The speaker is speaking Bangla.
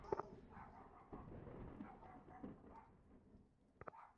যখন লেফট বলব তখন ধীরে ধীরে বামে ঘোরাবে।